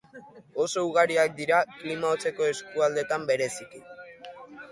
Oso ugariak dira, klima hotzeko eskualdeetan bereziki.